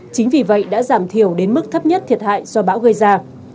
chính vì vậy đã giảm thiểu đến mức thấp nhất thiệt hại do bão gây ra